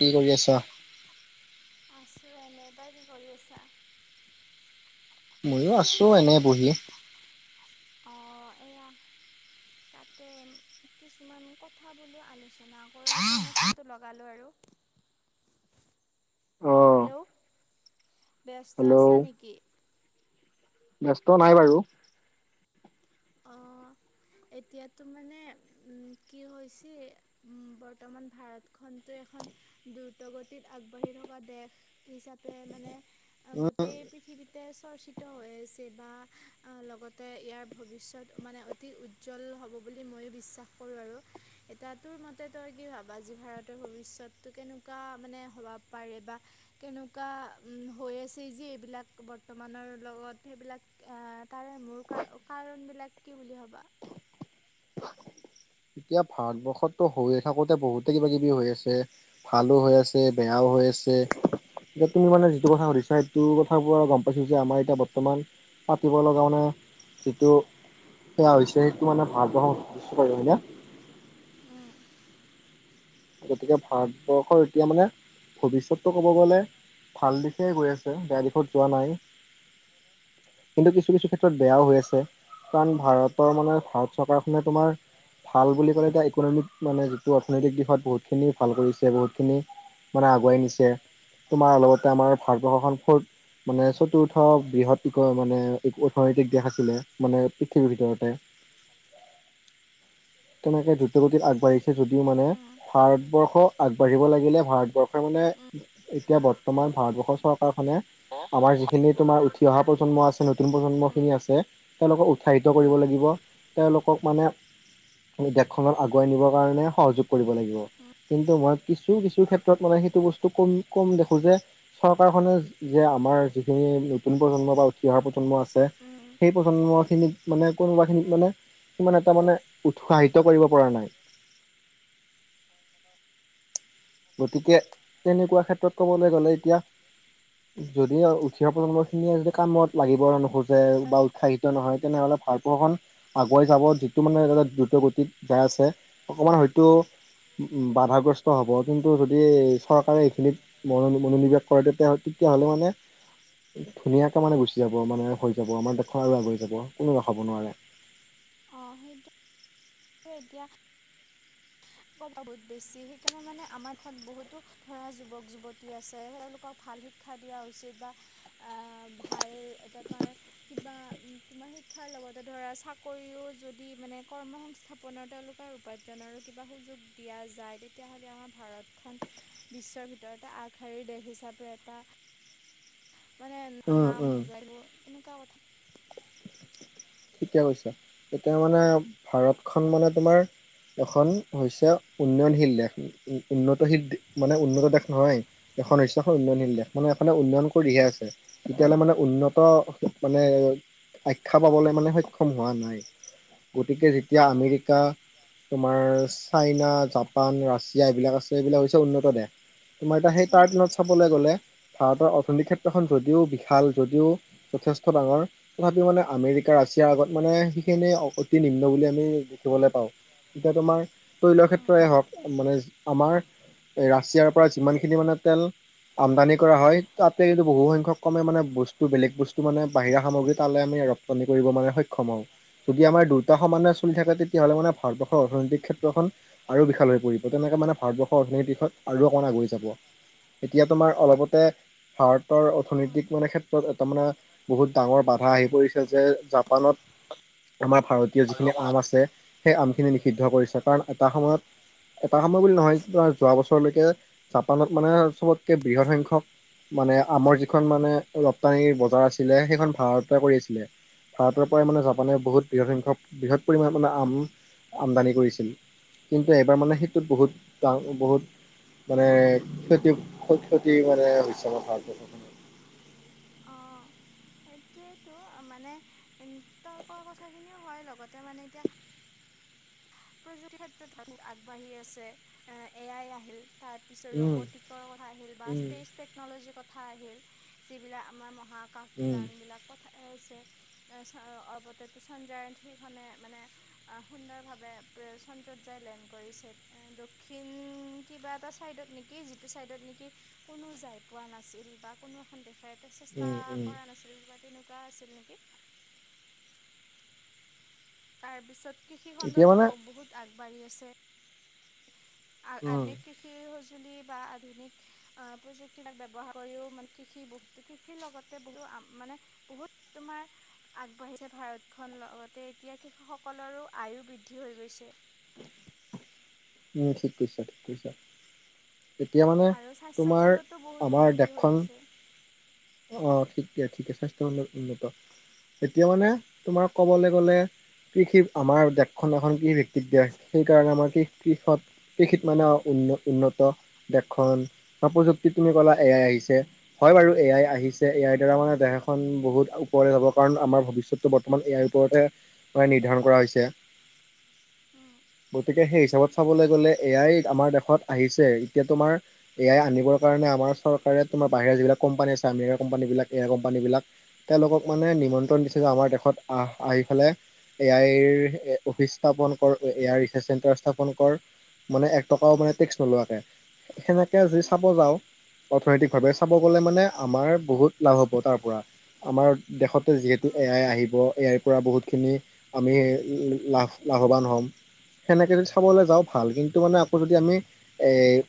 কি কৰি আছ আছো এনে তই কি কৰি আছা ময়ো আছো এনে বহি অ' এয়া তাকে কিছুমান কথা বোলো আলোচনা কৰোঁ সেইকাৰণে ফোনটো লগালোঁ আৰু [inaudible] অ', হেল্ল' ব্যস্ত আছা হেল্ল' নেকি ব্যস্ত নাই বাৰু অ এতিয়াতো মানে উম কি হৈছে উম বৰ্তমান ভাৰত খনত [unintelligible] এখন দ্ৰুত গতিত আগবাঢ়ি থকা দেশ হিচাপে মানে [unintelligible] উম, গোতেই পৃথিৱীতে চৰ্চিত হৈ আছে বা আহ লগতে ইয়াৰ ভৱিষ্যত মানে অতি উজ্জ্বল হ'ব বুলি মইো বিশ্বাস কৰো আৰু এটাটোৰ মতে তই কি ভাবা [unintelligible] আজি ভাৰতৰ ভৱিষ্যতো কেনেকুৱা মানে হবা পাৰে বা কেনেকুৱা উ হৈ [unintelligible] চি চি এইবিলাক বৰ্তমানৰ লগত সেইবিলাক তাৰে মূল কাৰণ বিলাক [unintelligible] কি বুলি ভাবা এতিয়া ভাৰতবৰ্ষতটো হৈয়ে থাকোতে বহুতে কিবা কিবি হৈ আছে ভালো হৈ আছে বেয়াও হৈ [unintelligible] আছে [unintelligible] এতিয়া তুমি মানে যিটো কথা সুধিছা সেইটো কথাবোৰ গম পাইছো যে আমাৰ এতিয়া বৰ্তমান পাতিব লগা মানে [unintelligible] যিটো সেয়া হৈছে সেইটো মানে ভাল বহা পাৰ হয় ন [unintelligible] আৰু ভাৰত গতিকে ভাৰতবৰ্ষৰ এতিয়া মানে ভৱিষ্যতটো ক'ব গ'লে ভাল দিশে গৈ আছে বেয়া দীঘত যোৱা নাই কিন্তু কিছু কিছু ক্ষেত্ৰত বেয়াও হৈ আছে কাৰণ ভাৰতৰ মানে ভ চৰকাৰখনে তোমাৰ ভাল বুলি ক'লে এতিয়া ইকনমিক মানে যিটো অৰ্থনৈতিক দিশত বহুত খিনি ভাল কৰিছে বহুত খিনি মানে আগুৱাই নিছে তোমাৰ লগতে আমাৰ ভাৰতবৰ্ষখন ফুত মানে চতুৰ্থ বৃহৎয় মানে এক অৰ্থনৈতিক দেশ আছিলে মানে পৃথিৱীৰ ভিতৰতে তেনেকে দু গতিত আগবাঢ়িছে যদিও মানে ভাৰতবৰ্ষ আগবাঢ়িব লাগিলে ভাৰতবৰ্ষই মানে এতিয়া বৰ্তমান ভাৰতবৰ্ষৰ চৰকাৰখনে আমাৰ যিখিনি তোমাৰ উঠি অহা প্ৰজন্ম আছে নতুন প্ৰজন্মখিনি আছে তেওঁলোকক উৎসাহিত কৰিব লাগিব তেওঁলোকক মানে দেশখনত আগুৱাই নিবৰ কাৰণে সহযোগ কৰিব লাগিব কিন্তু মই কিছু কিছু ক্ষেত্ৰত মানে সেইটো বস্তু কম কম দেখো যে চৰকাৰখনে যে আমাৰ যিখিনি নতুন প্ৰজন্ম বা উঠি অহা প্ৰজন্ম আছে সেই প্ৰজন্মখিনিত মানে কোনোবা খিনিত মানে ইমান এটা মানে উৎসাহিত কৰিব পৰা নাই [unintelligible] গতিকে তেনেকুৱা ক্ষেত্ৰত ক'বলৈ গ'লে এতিয়া যদি উঠি অহা প্ৰজন্ম খিনিয়ে যদি কামত লাগিব নোখোজে বা উৎসাহিত নহয় তেনেহ'লে ভাৰপ্ৰখন আগুৱাই যাব যিটো মানে এ দ্ৰুত গতিত যাই আছে অকমান হয়তো [unintelligible] উম বাধাগ্ৰস্ত হ'ব কিন্তু যদি চৰকাৰে এইখিনিত মনোনিৱেশ কৰে তেতিয়া তেতিয়াহ'লে মানে [unintelligible] ধুনীয়াকে মানে গুচি যাব মানে হৈ যাব আমাৰ দেশৰ আৰু আগুৱাই যাব [unintelligible] কোনো ৰখা'ব নোৱাৰে [unintelligible] অ সেইটো। এতিয়া। বহুত বেছি সেইকাৰণে মানে আমাৰখন বহুতো ধৰা যুৱক যুৱতী আছে তেওঁলোকক ভাল। ভাল শিক্ষা দিয়া উচিত বা আহ ভাল তোমাৰ কিবা তোমাৰ সেই শিক্ষাৰ লগতে ধৰা চাকৰিও যদি মানে কৰ্ম সংস্থাপনৰ তেওঁলোকৰ উপাৰ্জন আৰু কিবা সুযোগ দিয়া যায় তেতিয়াহ'লে আমাৰ ভাৰতখন বিশ্বৰ ভিতৰতে আগশাৰীৰ দেশ হিচাপে তাপি এটা মানে উম নাম উম উজাইব এনেকুৱা কথা ঠিকে কৈছা এতিয়া মানে ভাৰতখন মানে তোমাৰ এখন হৈছে উন্নয়নশীল দেশ উ উন্নতশীল মানে উন্নত দেশ নহয় এখন হৈছে উন্নয়নশীল দেশ মানে এখনে উন্নয়ন কৰিহে আছে তেতিয়াহ'লে মানে উন্নত মানে আখ্যা অঁ পাবলৈ মানে হয় সক্ষম হোৱা নাই গতিকে যেতিয়া অঁ আমেৰিকা তোমাৰ চাইনা জাপান ৰাছিয়া এইবিলাক আছে এইবিলাক হৈছে উন্নত দেশ তোমাৰ এতিয়া সেই তাৰ দিনত চাবলৈ গলে ভাৰতৰ অৰ্থনৈতিক ক্ষেত্ৰখন যদিও বিশাল যদিও যথেষ্ট ডাঙৰ তথাপি মানে আমেৰিকাৰ আ এতিয়াৰ আগত মানে সেইখিনি অতি নিম্ন বুলি আমি দেখিবলৈ পাওঁ এতিয়া তোমাৰ তৈলৰ ক্ষেত্ৰই হওক মানে আমাৰ এই ৰাছিয়াৰ পৰা যিমানখিনি মানে তেল আমদানি কৰা হয় তাতে যটো বহু সংখ্যক কমে মানে বস্তু বেলেগ বস্তু মানে বাহিৰা সামগ্ৰী তালে আমি ৰপ্তানি কৰিব মানে সক্ষম হও যদি আমাৰ দুয়টা সমানে চলি থাকে তেতিয়াহ'লে মানে ভাৰবৰ্ষৰ অৰ্থনৈতিক ক্ষেত্ৰখন আৰু বিশাল হৈ পৰিব তেনে মানে ভাৰতবৰ্ষৰ অৰ্থনীতি দিয়ত আৰু অকণ আগুৱৰি যাব এতিয়া তোমাৰ অলপতে ভাৰতৰ অৰ্থনৈতিক মানে ক্ষেত্ৰত এটা মানে বহুত ডাঙৰ বাধা আহি পৰিছে যে জাপানত আমাৰ ভাৰতীয় আৰু যিখিনি অকণমান আম আছে। সেই আমখিনি নিষিদ্ধ কৰিছে কাৰণ এটা সময়ত। এটা সময় বুলি নহয় যোৱা বছৰলৈকে জাপানত মানে চবতকে বৃহৎ সংখ্যক। মানে আমৰ যিখন মানে ৰপ্তানি বজাৰ আছিলে সেইখন ভাৰতেতে কৰি আছিলে। ভাৰতৰ পৰাই মানে জাপানে বহুত বৃহৎ সংখ্যক বৃহৎ পৰিমাণে মানে আম আমদানি কৰিছিল। কিন্তু এবাৰ মানে সেইটোত বহুত ডা বহুত। মানে ক্ষতি ক্ষতি মানে হৈছে আমাৰ ভাৰতবৰ্ষখনত [unintelligible] সেইটোৱেইটো মানে তইকোৱা কথাখিনিও হয় লগতে মানে এতিয়া। [unintelligible] প্ৰযুক্তিৰ ক্ষেত্ৰত ধৰ আগবাঢ়ি আছে এয়াই আহিল তাৰ পিছত উম, ৰ'বটিকৰ কথা আহিল বা উম। স্পেচ টেকন'লজিৰ কথা আহিল যিবিলাক আমাৰ। মহাকাশ উম, যান। ছে অবলেতঞ্চনজাৰখনে থ্ৰী মানে সুন্দৰ। চন্দ্ৰত যাই লেণ্ড কৰিছে দক্ষিণ কিবা এটা চাইডত নেকি যি চাইডত নেকি কোনো যাই পোৱা নাছিল বা কোনো এখন দেশ। খাই চেষ্টা উম, উম, কৰা নাছিল বা তেনেকুৱা আছিল নেকি? তাৰ পিছত কৃষি এতিয়া খণ্ডতো মানে বহুত আগবাঢ়ি আছে। উম, আধুনিক কৃষি। বা আধুনিক প্ৰযুক্তিবাক ব্যৱহাৰ কৰিও মানে কৃষি বহুত কৃষিৰ লগতে বহু। মানে বহুত তোমাৰ আগবাঢ়িছে ভাৰত খন লগতে এতিয়া কৃষকসকলৰো আয়ু বৃদ্ধি হৈ গৈছে [unintelligible] উম ঠিক কৈছা ঠিক কৈছা। তেতিয়া মানে আৰু স্বাস্থ্য তোমাৰ খণ্ডতো বহুত আমাৰ উন্নতি হৈ দেশখন আছে আহ শ ঠিকে ঠিকে স্বাস্থ্য উন্ উন্নত এতিয়া মানে তোমাৰ কবলৈ গলে। কি ঠিক আমাৰ দেশখন এখন কি ভিত্তিত দেশ সেই কাৰণে আমাৰ কি? কৃষত কৃষিত মানে উ উন্ন উন্নত দেশখন বা প্ৰযুক্তি তুমি ক'লা এ‌ উম আই পিছে হয় বাৰু এ আই উম আহিছে এ আই দ্বাৰা আমাৰ দেহাখন বহুত ওপৰলে যাব কাৰণ আমাৰ ভৱিষ্যতো বৰ্তমান এই আই ওপৰতে প্ৰায় নিৰ্ধাৰণ কৰা হৈছে উম গতিকে সেই হিচাপত চাবলৈ গ'লে এ আই আমাৰ দেশত আহিছে এতিয়াতো তোমাৰ এ আই আনিবৰ কাৰণে আমাৰ চৰকাৰে তোমাৰ বাহিৰ যিলাক কোম্পানী আছে আমৰিকা কম্পানী বিলাক এয়া কম্পানী বিলাক তেওঁলক ক মানে নিমন্ত্ৰণ দিছে যে আমাৰ দেশত। আহ আহি পেলাই এ আইৰ অফিচ স্থাপন কৰুতে এ আই ৰিচাৰ্চ চেণ্টাৰ চাব। অংকৰ মানে এক টকা ও মানে টেক্স নোৱাকে সেনেকে য উম উম চাব যাওঁ। অৰ্থনৈতিক ভাৱে চাব গলে মানে আমাৰ বহুত লাভ হ'ব তাৰ পৰা। আমাৰ দেশতে যিহেতু উম এ আই আহিব এ আইৰ পৰা বহুতখিনি আমি লাভ। লাভৱান হ'ম সেনেকৈ যদি চাবলৈ উম যাওঁ ভাল কিন্তু মানে আকৌ যদি আমি এই।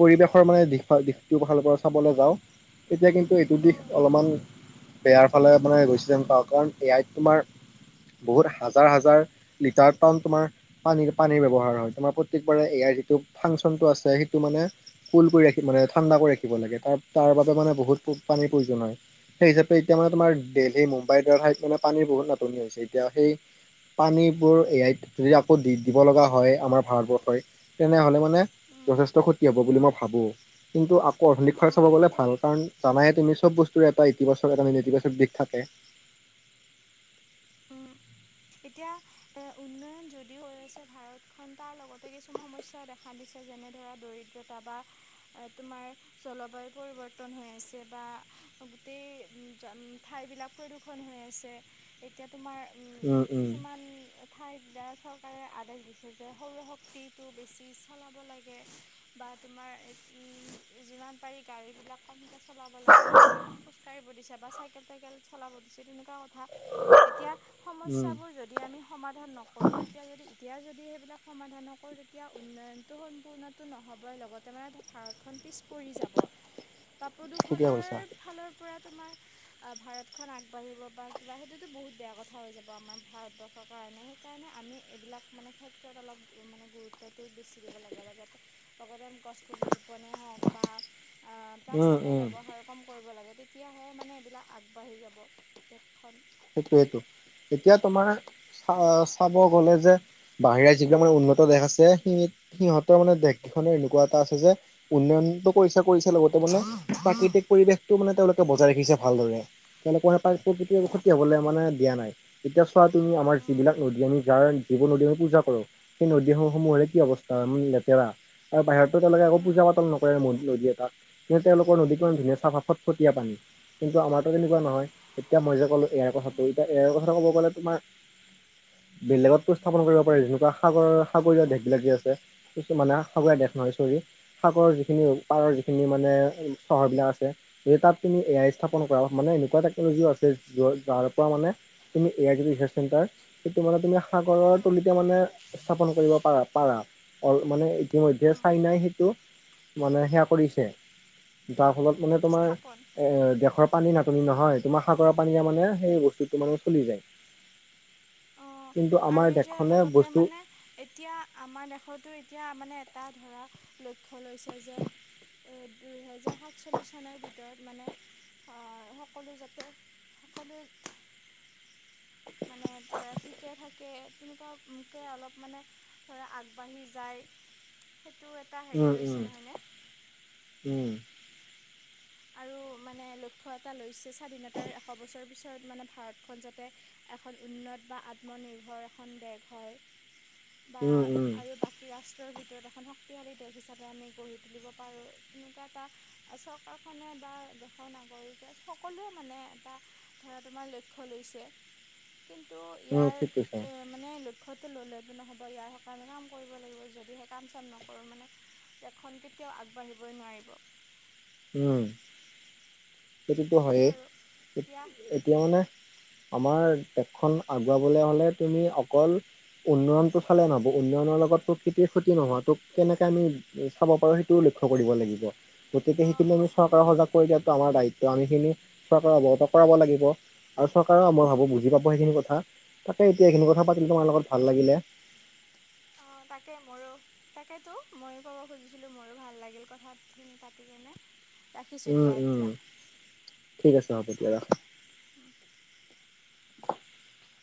পৰিৱেশৰ মানে দিশ ব দিশটো ভালৰ পৰা চাবলৈ যাওঁ তেতিয়া কিন্তু। এইটো অ দিশ অলপমান বেয়াৰ ফালে মানে গৈছিলেন পাওঁ কাৰণ এ আইত তোমাৰ। বহুত হাজাৰ হাজাৰ লিটাৰ টন তোমাৰ পানীৰ পানীৰ ব্যৱহাৰ হয়। তমাৰ প্ৰতেকবাৰে এয়াৰ যিটো ফাংচনটো আছে সেইটো মানে কুল কৰি ৰাখ মানে ঠাণ্ডা কৰি ৰাখিব লাগে। ত তাৰ বাবে মানে বহুত পানীৰ প্ৰয়োজন হয় সেই হিচাপে এতিয়া মানে তোমাৰ উম দেলহি মুম্বাই দ হো অলপ। পানীৰ বহুত নাটনি হৈছে এতিয়া সেই পানীবোৰ এয়াইত যদি আকৌ দি দিব লগা হয়। আমাৰ ভাৰতবৰ্ষই তেনেহ'লে মানে উম যথেষ্ট ক্ষতি হ'ব বুলি মই ভাবোঁ কিন্তু আ। ক অধুনিক অ ফাৰ চাব গলে এতিয়া ভাল কাৰণ জানাইে তু চব বস্তুৰ এটা ইতিবাচক এটা ম ইতিবাচক দিশ থাকে। উম এতিয়া এ উন্নয়ন যদিও হৈ আছে ভাৰতখন তাৰ লগতে কিছুমান সমস্যা ও দেখা দিছে যে। এনে ধৰা দৰিদ্ৰতা বা তোমাৰ জলবায়ু পৰিৱৰ্তন হৈ আছে বা। গোটেই জ ঠাইবিলাক প্ৰদূষণ হৈ আছে এতিয়া তোমাৰ। উম, উম, কিছুমান ঠাইত বা চৰকাৰে আ আদেশ দিছোঁ যে সৌৰশক্তিটো বেছি চালাব লাগে বা তোমাৰ উম যিমান পাৰি গাড়ী বিলাক কমকে চলাব লাগে মানুহক খোজ কাঢ়িব দিছে বা চাইকেল টাইকেল চলাব দিছে তেনেকুৱা কথা এতিয়া সমস্যা উম, যদি আমি সমাধান নকৰোঁ তেতিয়া যদি এতিয়া যদি সেইবিলাক সমাধান নকৰোঁ তেতিয়া উন্নয়নটো সম্পূ সম্পূৰ্ণ টো নহ'বই লগতে মানে ভাৰতখন পিছ পৰি যাব বা ঠিকে প্ৰদূষণৰ কৈছা। ফালৰ পৰা তোমাৰ অ ভাৰত খন আগবাঢ়িব বা কিবা সেইটোতো বহুত বেয়া কথা হৈ যাব আমাৰ ভাৰতবৰ্ষৰ কাৰণে সেইকাৰণে আমি এইবিলাক মানে ক্ষেত্ৰত অলপ মানে গুৰুত্বটো বেছি দিব লাগে লগতে গছপুলি ৰোপনে হওক বা আহ উম, প্লাষ্টিকৰ উম। ব্যৱহাৰ কম কৰিব লাগে তেতিয়াহে মানে এইবিলাক আগবাঢ়ি যাব দেশখন সেইটোয়েইটো এতিয়া তোমাৰ চা চাব গলে যে বাহিৰা যিবিলাক মানে উন্নত দেশ আছে সি সিহঁতৰ মানে দেশ খনৰ এনেকুৱা এটা আছে যে উন্নয়নতটো কৰিছে কৰিছে লগতে মানে প্ৰাকৃতিক পৰিৱেশতটো মানে তেওঁলোকে বজাই ৰাখিছে ভালদৰে তেনেকুৱা এটা প্ৰা প্ৰকৃতিৰ বুকুত হবলে মানে দিয়া নাই এতিয়া চোৱা তুমি আমাৰ যিবিলাক নদী আমি যাৰ যিবোৰ নদী আমি পূজা কৰো নদীসম সমূহৰে কি অৱস্থা মানে লেতেৰা আৰু বাহিৰতো তেওঁলোকে আকৌ পূজা পাতল নকৰে নদী নদী এটাত যে তেওঁলোকৰ নদীখন ধুনীয়া চাহ ফত ফটীয়া পানী কিন্তু আমাৰতো তেনেকুৱা নহয় এতিয়া মই যে ক'লো এয়াই কথাটো এতিয়া এয়াৰ কথা ক'ব গ'লে তোমাৰ বেলেগতো স্থাপন কৰিব পাৰে স্থাপন যেনেকুৱা সাগৰৰ সাগৰীয় দেশ বিলাক যে আছে কি মানে সাগৰীয়া দেশ হয় চৰি সাগৰৰ যিখিনি পাৰৰ যিখিনি মানে চহৰবিলাক আছে যদি তাত এ আই স্থাপন কৰা মানে এনেকুৱা টকনলজিও আছে য যাৰ পৰা মানে তুমি এ আই জিটো ৰিচাৰ্চ চেণ্টাৰ সেইটো মানে তুমি সাগৰৰ তলিতে মানে স্থাপন কৰিব পাৰা পাৰা অ মানে ইতিমধ্যে চাইনাই সেইটো মানে সেয়া কৰিছে যাৰ ফলত মানে তোমাৰ দেশৰ পানী নাটনি নহয় তোমাৰ সাগৰৰ পানীয়া মানে সেই বস্তুটো মানে চলি যায় অ কিন্তু আৰু আমাৰ এতিয়া দেশখনে লগতে বস্তু মানে এতিয়া আমাৰ দেশটো এতিয়া মানে এটা ধৰা লক্ষ্য লৈছে যে- দুহেজাৰ সাত চল্লিশ চনৰ ভিতৰত মানে। আহ সকলো যাতে সকলো- [unintelligible] মানে ধৰা ঠিকে থাকে তেনেকুৱা মোকে অলপ মানে ধৰা আগবাঢ়ি যায় সেইটো এটা হেৰি উম লৈছে উম নহয়নে উম আৰু মানে লক্ষ্য এটা লৈছে স্বাধীনতাৰ এশ বছৰৰ পিছৰত মানে ভাৰতখন যাতে এখন উন্নত বা আত্মনিৰ্ভৰ এখন দেশ হয় বা উম উম আৰু বাকী ৰাষ্ট্ৰৰ ভিত ভিতৰত এখন শক্তিশালী দেশ হিচাপে আমি গঢ়ি তুলিব পাৰো তেনেকুৱা এটা চৰকাৰ খনে বা দেশৰ নাগৰিকে সকলোৱে মানে এটা ধৰা তোমাৰ লক্ষ্য লৈছে [unintelligible] কিন্তু উম ঠিক কৈছা ইয়াৰ এ মানে লক্ষ্য টো ল'লে নহ'ব ইয়াৰ সকা কাম কৰিব লাগিব যদিহে কাম চাম নকৰো মানে দেশখন কেতিয়াও আগবাঢ়িব নোৱাৰিব সেইটোতো সেইটোৱে হয়েই আৰু দিয়া এতিয়া মানে আমাৰ দেশ খন আগুৱাবলৈ হ'লে তুমি অকল উন্নয়নতটো চালে নহব উন্নয়নৰ লগত প্ৰকৃতিয় ক্ষতি নোহোৱা তোক কেনেকে আমি চাব পাৰো সেইটো লক্ষ্য কৰিব লাগিব গতিকে সেই অঁ একচুৱেলি অঁ অঁ চৰকাৰে সজাগ কৰি দিয়াতটো আমাৰ দায়িত্ব আমিখিনি চৰকাৰে অৱগত কৰাব লাগিব আৰু চৰকাৰও মই ভাবো বুজি পাব সেইখিনি কথা তাকে এতিয়া এইখিনি কথা পাতিল অঁ তোমাৰ লগত ভাল লাগিলে [unintelligible] তাকে মোৰো তাকেতো ময়ো ক'ব খুজিছিলো মোৰো ভাল লাগিল কথা খিনি পাতি কেনে- ৰাখিছোঁ উম দিয়া উম এতিয়া ঠিক আছে হ'ব দিয়া অঁ ৰাখা। [inaudible]